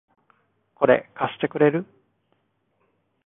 これ、貸してくれる？